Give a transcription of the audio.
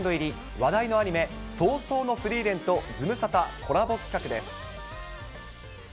話題のアニメ、葬送のフリーレンとズムサタコラボ企画です。